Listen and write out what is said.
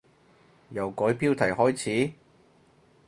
由改標題開始？